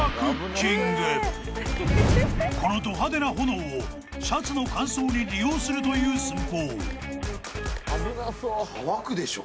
［このド派手な炎をシャツの乾燥に利用するという寸法］